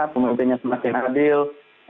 pemimpinnya semakin adil